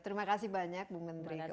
terima kasih banyak bu menteri keuangan